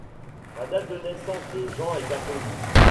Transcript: La date de naissance de Jean est inconnue.